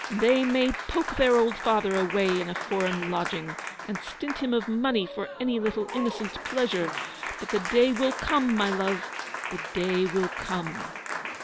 They may poke their old father away in a foreign lodging, and stint him of money for any little innocent pleasure ; but the day will come, my love, the day will come